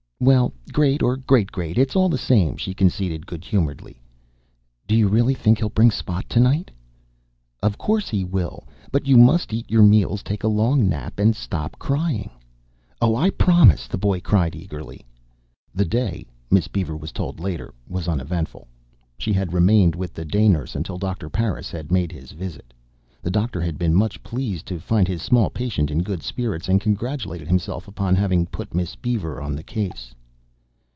"Well, great or great great, it's all the same," she conceded good humoredly. "Do you really think he'll bring Spot tonight?" "Of course he will. But you must eat your meals, take a long nap, and stop crying." "Oh, I promise!" the boy cried eagerly. The day, Miss Beaver was told later, was uneventful. She had remained with the day nurse until Doctor Parris had made his visit. The doctor had been much pleased to find his small patient in good spirits and congratulated himself upon having put Miss Beaver on the case.